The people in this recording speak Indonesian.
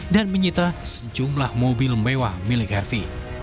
dan menyita sejumlah mobil mewah milik harvey